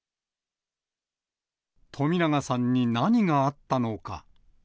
冨永さんに何があったのか。